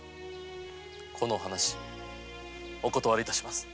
この話お断りいたします。